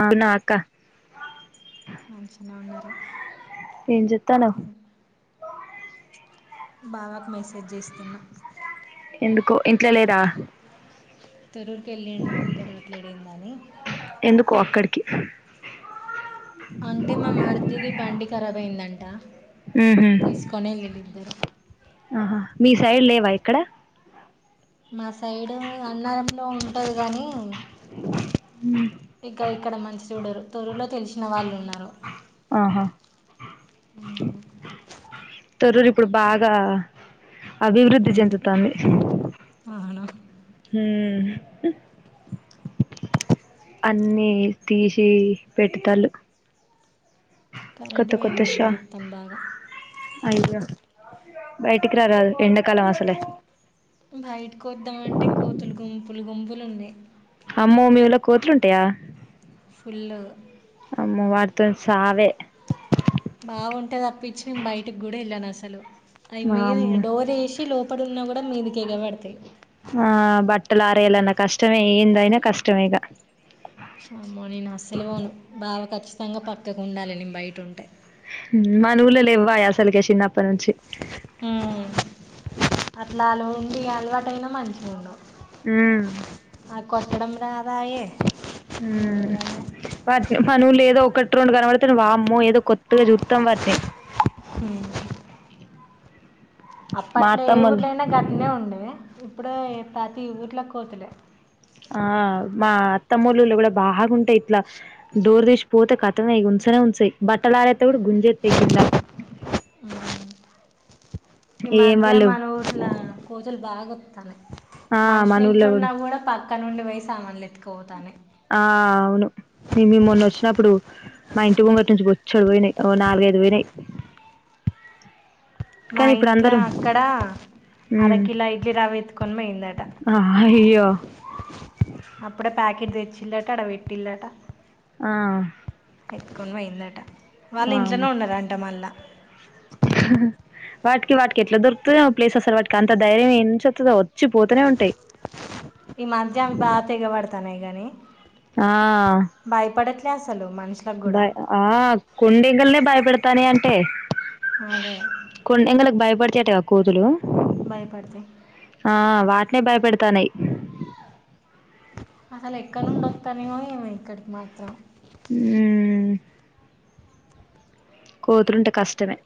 అవునా అక్క మంచిగానే ఉన్నారా ఏం చేస్తున్నావ్ బావకు మెసేజ్ చేస్తున్నా ఎందుకో ఇంట్లో లేదా తరువుకు వెళ్ళిండు ఇంకా రావట్లేదా ఎందా అని ఎందుకు అక్కడికి అంటే మా మరిది ది బండి కరాబ్ అయిందంట ఉహు తీసుకొనే వెళ్ళింర్రు ఇద్దరు ఆహా మీ సైడ్ లేవా ఎక్కడ మా సైడు అన్నారంలో ఉంటది కానీ ఇక ఇక్కడ మంచి చూడరు తోరలో తెలిసిన వాళ్ళు ఉన్నారు ఆహా [inaudible] తారురూ ఇప్పుడు బాగా అభివృద్ధి చెందుతాంది అవును హ్మ్ అన్ని తీసి పెట్టతళు కరెంట పోయింది ఉబ్బరిస్తాది బాగా అయ్యో బయటికి రారాధే ఎండకాలం అసలే బయట కో వద్దాం అంటే కోతులు గుంపులు గుంపులు ఉన్నాయి అమ్మో మీ ఊర్లో కోతులుంటాయా ఫుల్ గా తర్ సావే బాగుంటది అప్పిచ్చి నేను బయటికి కూడా వెళ్ళాను అసలు అది మీద వామ్మో డోర్ వేసి లోప ప్పడున్నా కూడా మీదికి ఎగబడతాయి అట్టలురేయాలన్న కష్టమే ఏందైనా కష్టమేక అమ్మో నేను అస్సలు పోను బాబ ఖచ్చితంగా పక్కకు ఉండాలి నేను బయట ఉంటే మన ఊళ్ళో లెవ్వయే అస్సలకే చినప్ మ్మ్ అట్లా అలవా ఉండి అలవాటుయినా మంచిగా ఉండవు హ్మ్ ఆ కొట్టడం రాధాయే పనులు లేదో ఒకటి రెండు కన పడితేను వామ్మో ఏదో కొత్తగా చూతాం వాటిని హ మా అప్పట్లో ఏ అత్తమ్మోళ్ళు ఊర్లోనా ఘటనే ఉండే ఇప్పుడు ప్రతి ఊర్లో కోతులే ఆ మా అత్తమ్మలుళ్ళ కూడా బాగుంటాయి ఇట్లా డోర్ తీసి పోతే కథమే ఉంచ ఉంటాయి బట్టలారతడు గుంజేతాయి కిందా ఈ మధ్య మనట్లా కూతులు బాగా గుస్తన్నాయి ఆ మనుషులు మన ఊర్లో ఇంట్లోన్నా కూడా పక్క నుండి పోయి సామానులు ఎత్తుకుపోతాను ఆ అవును నే మేము మొన్న చడువునాయి ఓ నాలుగు ఐదు పోయినాయి మా కానీ ఇప్పుడు ఇంట్లో అందరం అక్కడ హ్మ్ అరకిలో ఇడ్లీ రావెత్తుకొని పోయిందట ఆ అయ్యో అప్పుడే ప్యాకెట్ తెచ్చిళ్లట అడ పెట్టిళ్లట ఆ ఎత్తుకొని పోయిందట వాళ్ళు ఇంట్లోనే వామ్మో ఉన్నారు అంట మళ్ళా వాటికి వాటికి ఎట్లా దొరుకుతయో ప్లేస్ అసలు వాటికి అంత ధైర్యం ఎద నుంచి వస్తుందో వచ్చి పోతూనే ఉంటాయి ఈ మాధ్య బాగా తెగబడతాన్నాయి గాని ఆ భయపడట్లే అసలు మనుషులకు బ కూడా ఆ కుండింగల్నే భయపడతానయి అంటే అదే బడిచేత్తయా కోతులు భయపడతయ్ ఆ వాటినే భయపెడతానయ్ అసలెక్కడ్నుండి ఒత్తానయో ఇక్కడికి మాత్రం ఉమ్ కోతులుంటే కష్టమే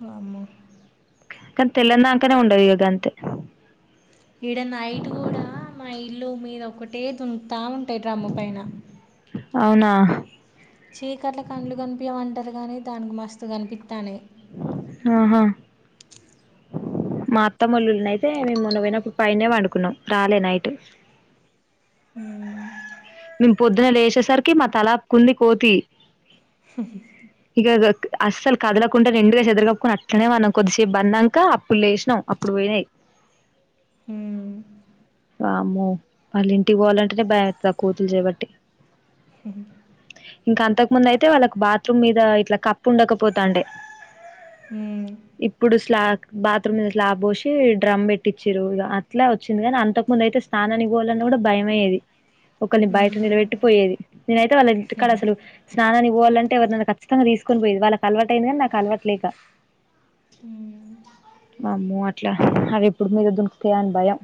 వామ్మో కనీ తెల్లందాంకనే ఉండవు ఇగ గంతే ఇడ నైట్ గూడా మా ఇల్లు మీద ఒకటే దుంకుతా ఉంటయి డ్రమ్ము పైన అవునా చీకట్ల కండ్లు కనిపియ్యవంటరు గానీ దానికి మస్తు కన్పిత్తానయ్ ఆహా మా అత్తమ్మొలిల్లునయితే మేము మొన్న పోయినప్పుడు పైన్నే పండుకున్నాం రాలే నైట్ ఉమ్ మేం పొద్దున లేచేసరికి మా తలాప్కుంది కోతి హు హు అస్సల్ కదలకుండా నిండుగ చెద్దరగప్పుకుని అట్లనే బన్నం కొద్దిసేపు బన్నాంక అప్పుడు లేస్నం అప్పుడు పోయినాయ్ హ్మ్ వామ్మో వాళ్ళింటికి పోవాలంటనే భయమేత్తది ఆ కోతులు చేబట్టి హుహు ఇంకంతకుముందయితే వాళ్ళకు బాత్రూమ్ మీద ఇట్ల కప్పున్డకపోతాండె ఊమ్ ఇప్పుడు స్లాగ్ బాత్రూమ్ మీద స్లాబ్ పోసి డ్రమ్ పెట్టిచ్చిరు ఇగ అట్లా వచ్చిందిగనీ అంతకు ముందు అయ్ అయితే స్నానానికి పోవాలన్న గూడ భయమయ్యేది ఒకల్ని బయట ఉమ్, నిలబెట్టిపోయేది, నేనైతే వాళ్ళ ఇంటికాడ అసలు స్నానానికి పోవాలంటే ఎవర్నన్న ఖచ్చితంగా తీసుకొని పోయేది వాళ్ళకి అలవాటయింది గని నాకలవాట్లేక ఉమ్. వామ్మో అట్లా అవెప్పుడు మీద దుంకుతయా అని భయం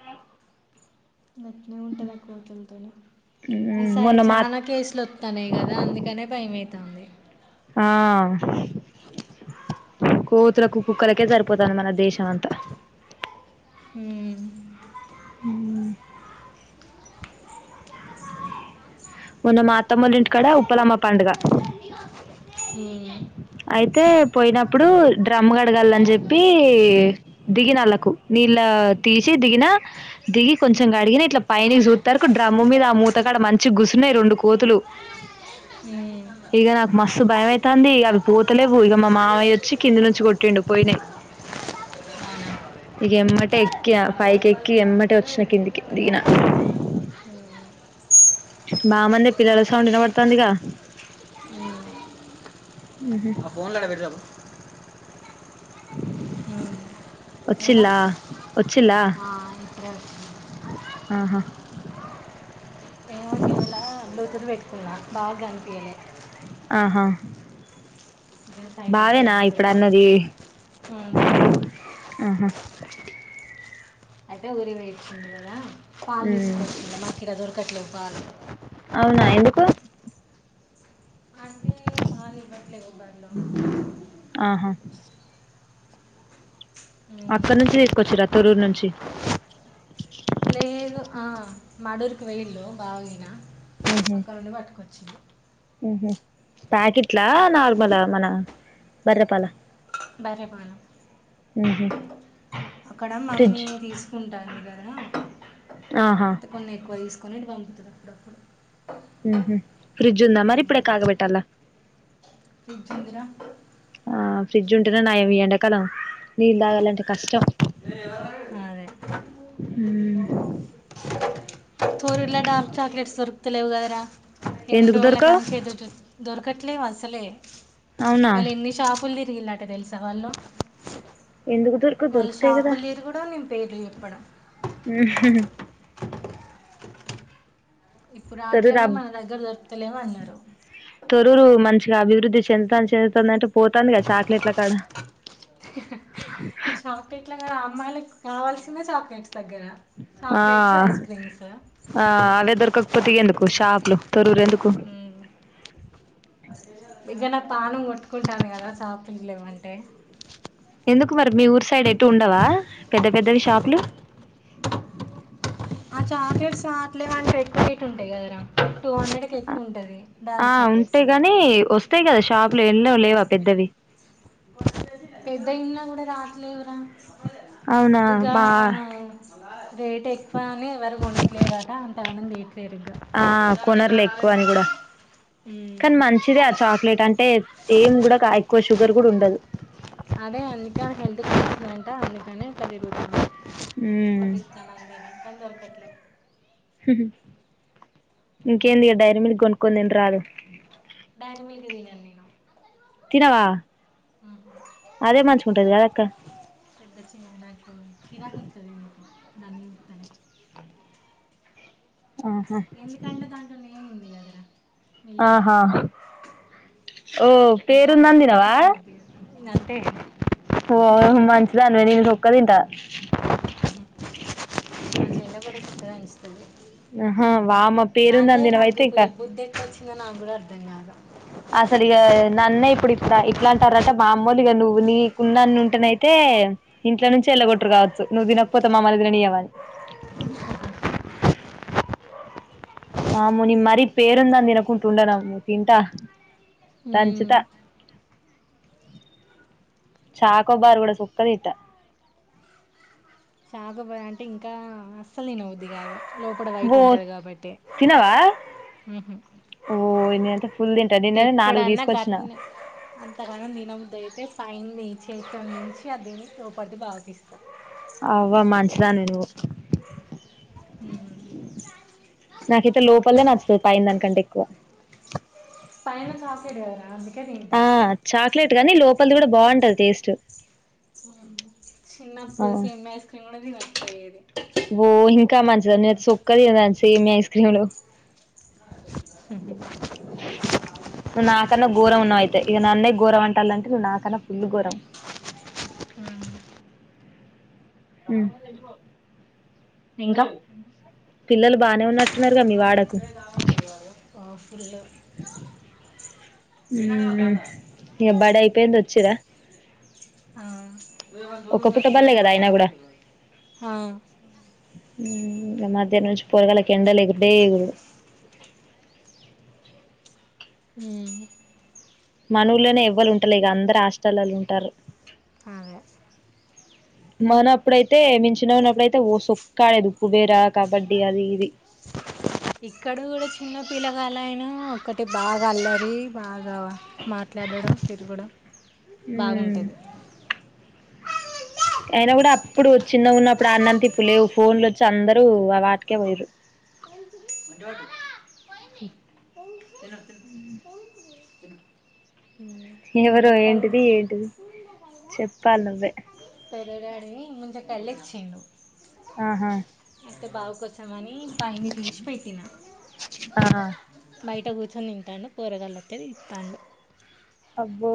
అ గట్నే ఉంటదాకోతుల్తోని ఈసారి మొన్న మా చాలా కేసులొత్తన్నయి గదా అందుకనే భయమయితాంది. ఆ కోతులకు కుక్కలకే సరిపోతాంది మన దేశం అంతా. ఉమ్ మొన్న మా ఉమ్, అత్తమ్మోలింటికాడ ఉప్పలమ్మ పండగ అయితే పోయినప్పుడు డ్రమ్ గడగాలని చెప్పీ దిగినళ్ళకు నీ ఇల్లా తీసి దిగిన దిగి కొంచెం గడిగిన ఇట్ల పైనికి సూత్తరుకు డ్రమ్ మీద ఆ మూతకాడ మంచిగుసున్నయి రెండు కోతులు, ఇగ నాకు మస్తు భయమయితాంది అవి పోతలేవు ఇగ మా మావయ్యొచ్చి కింది నుంచి కొట్టిండు పోయినయ్ ఇగ ఎమ్మటే ఎక్కిన పైకెక్కి ఎమ్మటే వొచ్చిన కిందికి దిగినా హ్మ్ బాగ మందే పిల్లల సౌండ్ ఇనపడ్తాందిగా ఉమ్, ఉమ్. ఆ ఫోన్లాడ బేట్టిరాపో ఊమ్ ఇంకా చ్చిల్లా ఇప్డే వచ్చిర్రు ఆహా నోకేవల దుద్దులు పెట్టుకున్నా బాగ్ గన్పియలే ఆహా బావేనా ఇప్పుడు అన్నది [unintelligible] ఊమ్ బావుంది ఆహా అంటే ఊరికి పోయొచ్చింది కదా పాలు ఉమ్ తీసుకొచ్చింది మాకు ఈడ దొరకట్లేవు పాలు అవునా ఎందుకు అంటే పాలు ఇవ్వట్లేదు బర్లు ఆహా ఉమ్, అక్కడ నుంచి తీసుకొచ్చిరా తొరూర్ నుంచి లేదు ఆ మడూర్కి పోయిల్లు బావగినా ఊహు అక్కడ్నుండి పట్టుకొచ్చిండు ఊహు ప్యాకెట్లా నార్మలా మన బర్రెపాలా బర్రె పాలు అక్కడ మమ్మీ ఫ్రిడ్జ్ తీసుకుంటాంది కాద్ ఆహా అయితే కొన్ని ఎక్కువ తీసుకొన్నేటివి పంపుతది అప్పుడప్పుడు ఉహు ఫ్రిడ్జ్ ఉందా మరి ఇప్పుడే కాగబెట్టాల్ల ఫ్రిడ్జ్ ఉందిరా ఆ ఫ్రిడ్జ్ ఉంటునే నయం ఈ ఎండకాలం నీళ్ళు తాగాలంటే కష్టం అదే హుమ్ మీ ఊరిలో డార్క్ చాక్లెట్స్ దొరుక్తలేవుకదరా ఎన్ని ఎందుకు రోజుల దొరకవు కాంచే దొరక దొరకట్లేవు అసలే అవునా వాళ్ళు ఎన్ని షాపులు తిరిగిలాట్ట తెలుసా వాళ్ళు ఎందుకు దొరకవు వాళ్ళ దొరుకుతాయి షాపుల్ తిరుగుడు నేను పేర్లు చెప్పడం ఆ ఇప్పుడు తొర్రూరు రాట్లేదు అబ్ మన దగ్గర దొరుకుతలేమో అన్నాడు రూరు మంచిగా అభివృద్ధి చెంద్తా చెందుతంది అంటే పోతంది కదా చాక్లెట్ల కాడ ఈ చాక్లెట్లే కాద అమ్మాయిలకి కావాల్సిందే చాక్లెట్స్ దగ్గర ఆ చాక్లెట్స్ ఐస్ క్రీమ్స్ ఆ అవే దొరకకపోతేగేందుకు షాపులు తరూర్ ఎందుకు ఇక నా పానం కొట్టుకుంటుంది కదా [unintelligible] లేవంటే ఎందుకు మరి మీ ఊరు సైడ్ ఎటు ఉండవా పెద్ద పెద్దవి షాపులు ఆ చాక్లెట్స్ రాట్లేదంటే ఎట్లుంటయ్ కదరా టూ హండ్రెడ్కి ఎక్కువ ఉంటుంది ఆ డార్క్ చాక్లెట్స్ ఉంటాయి గానీ వస్తాయి కదా షాపు లో ఎల్లో లేవా పెద్దవి పెద్ద ఇన్న కూడా రాట్లేదుర అవునా బా రేట్ ఎక్కువ అని ఎవరు కొనట్లేదు కదా అంత [unintelligible] ఆ కొనర్లే ఎక్కువ అని కూడా కానీ మంచిదే ఆ చాక్లెట్ అంటే ఏం గుడక ఎక్కువ షుగర్ కూడా ఉండదు అదే అందుకని హెల్త్ కు మంచిదంట అందుకనే పెరిగిపోతుంది ఉమ్ [unintelligible] దొరకట్ల్య ఇంకేంది ఇగ డైరీమిల్క్ కొనుకొన్ తినరాదు డైరీమిల్క్ తినన్ నేను తినవా అదే మంచిగాకుంటది కదా అక్క రేప్ తెచ్చిన [unintelligible] చిరాక్ వస్తది దాన్నీ [unintelligible] ఆహా ఎందుకంటే దాంట్లో నేమ్ ఉంది కదరా మిల్క్ అని ఆహా ఓ అద్ పేరుందని తల్చుకుంటే తినవా తినబుద్ధికాదు ఇంగ అంతే ఆ మంచిదనివే నేను ప్రతిఒక్కటి తింట మా చెల్లె గూడ సూపర్గా [unintelligible] ఆహా వామ్మో పేరుందనితినవైతే ఇంకా ఇంగ నాకుడా అర్థం కల్య ఇక మామ్మూలుగా నువ్వు నీకున్న అన్న ఉంటే అయితే ఇంట్లో నుంచి వెళ్ళగొట్టరు కావచ్చు నువ్వు తినకపోతే మమ్మల్ని వెళ్లనేవాలే ఆమోని మరీ పేరుందాని తినకుంటు ఉండను తింటా హు దంచుతా చాకో బార్ కూడా సోక్కా తింటా చాకో బార్ అంటే ఇంకా అస్సలు తిన బుద్ధి కాదు లోపల వైట్ ఓ ఉంటుంది కాబట్టి తినవా ఉహు. ఓ నేనయితే ఎప్పుడన్నా గట్న అంతగాన తినబుద్ధైతే పైన్ నీ చేతులో నుంచి అదిని లో పడింది బావకిస్తా అవ్వ మంచి దానివి నువ్వు ఉహు నాకైతే లోపలిదే నచ్చుతుంది పైన దానికంటే ఎక్కువ పైన కాసేదే కదరా అందుకే తింటా కానీ లోపలిది కూడా బాగుంటది టేస్ట్ హు ఆ చిన్నప్పుడు సేమ్యా ఐస్ క్రీమ్ కూడా తినకపోయేది ఓ ఇంకా మంచి దానివి నేనయితే సొక్క తినేదాన్ని సేమియా ఐస్ క్రీమ్లు నాకన్నా గోరం న్నో అయితే ఇగ నన్నే గోరం అంటాలంటే నువ్వు నాకన్నా ఫుల్ గోరం ఉమ్. ఇంకా పిల్లలు బానే ఉన్నట్టున్నారు గా మీ వాడకు పి ల [inaudible] హు ఇగ బడి అయిపోయింది వచ్చరా ఆహా బళ్ళే కదా అయినా కూడా ఆ హు ఇగా మధ్యాహ్నం నుంచి పోరగాళ్లు ఎండల ఎగురుడే ఎగురుడు హు మన ఊర్లనే ఎవ్వలు ఉంటాలే ఇగా అందరు హాస్టల్లో ఉంటారు అదే మన అప్పుడైతే నేను చిన్న ఉన్నప్పుడు అయితే ఓ సొక్క ఆడేది ఉప్పుబేర కబడ్డీ అది ఇది ఇక్కడ కూడా చిన్న పిల్లకలయిన ఒకక్కటి బాగా అల్లరి బాగా మ మాట్లా అడడం తిరగడం బాగుంటుంది అయిన కూడా అప్పుడు చిన్నగా ఉన్నప్పుడు అన్నంత ఇప్పుడు లేవు ఫోన్లు వచ్చి అందరూ ఆ వాటికే పట్టుకో పోయరు [unintelligible] [inaudible] తిను తిను తిను ఏం ఎవరో చెప్తాను ఏంటిది ఏంటిది చెప్పాలి నువ్వే వల్ల డాడి ముంజ కాయలు తెచ్చిండు ఆహా అయితేబాగా కోసే మని పైన తీసిపెట్టినా ఆ బయట కూర్చొని తింటాను పోరగాళ్లొత్తే తితాండు అబ్బో